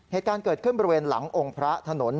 เหตุการณ์เกิดขึ้นบริเวณหลังองค์พระถนน